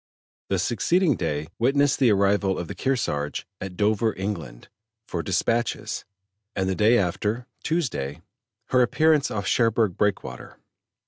The succeeding day witnessed the arrival of the Kearsarge at Dover, England, for dispatches, and the day after (Tuesday) her appearance off Cherbourg Breakwater.